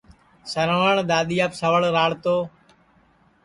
سروٹؔ دؔادِؔیاپ سوڑ راݪ تو